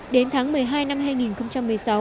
đến tháng một mươi hai năm hai nghìn một mươi sáu